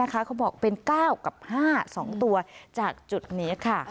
เขาบอกเป็น๙กับ๕๒ตัวจากจุดนี้ค่ะ